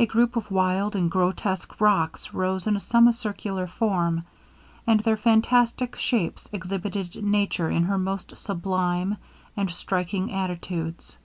A group of wild and grotesque rocks rose in a semicircular form, and their fantastic shapes exhibited Nature in her most sublime and striking attitudes.